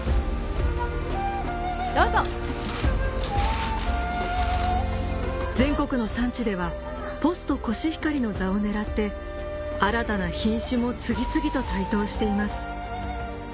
・どうぞ・全国の産地ではポストコシヒカリの座を狙って新たな品種も次々と台頭しています